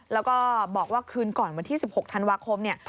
แล้วก็บอกว่าคืนก่อนวันที่๑๖ธันวาคมเนี่ย